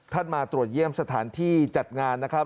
มาตรวจเยี่ยมสถานที่จัดงานนะครับ